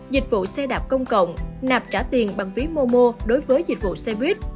dịch vụ xe đạp công cộng nạp trả tiền bằng ví momo đối với dịch vụ xe buýt